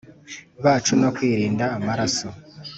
bacu no kwirinda amaraso